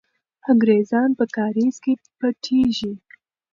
انګریزان په کارېز کې پټېږي.